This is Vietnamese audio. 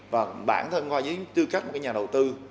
và bản thân coi với tư cách một cái nhà đầu tư